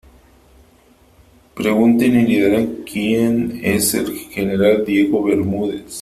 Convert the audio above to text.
pregunte y le dirán quién es el general Diego Bermúdez .